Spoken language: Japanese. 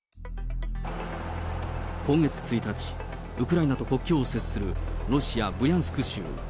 今月１日、ウクライナと国境を接するロシア・ブリャンスク州。